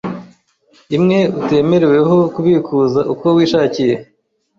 imwe utemereweho kubikuza uko wishakiye